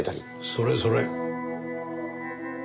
それそれ。